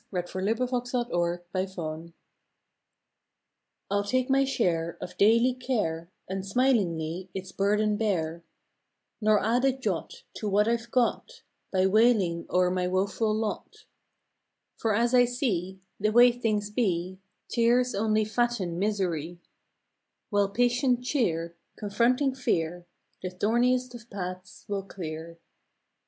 December Sixteenth CLEARING THE WAY I LL take my share Of daily care And smilingly its burden bear; Nor add a jot To what I ve got By wailing o er my woeful lot. For as I see The w r ay things be Tears only fatten misery, While patient cheer Confronting fear The thorniest of paths will clear.